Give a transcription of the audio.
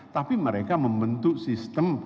tapi mereka membentuk sistem